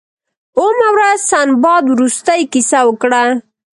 اوومه ورځ سنباد وروستۍ کیسه وکړه.